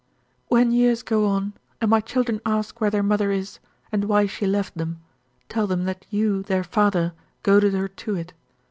"When years go on, and my children ask where their mother is, and why she left them, tell them that you, their father, goaded her to it.